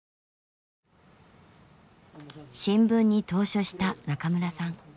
新聞に投書した中村さん。